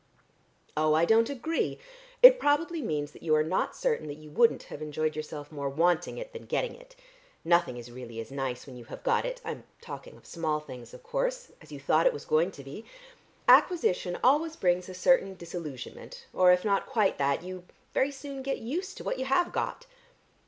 "Oh, I don't agree. It probably means that you are not certain that you wouldn't have enjoyed yourself more wanting it, than getting it. Nothing is really as nice when you have got it I'm talking of small things, of course as you thought it was going to be. Acquisition always brings a certain disillusionment, or if not quite that, you very soon get used to what you have got."